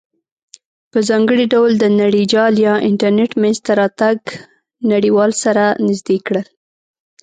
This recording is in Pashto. په ځانګړې ډول د نړیجال یا انټرنیټ مینځ ته راتګ نړیوال سره نزدې کړل.